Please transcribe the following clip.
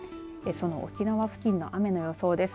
その沖縄付近の雨の予想です。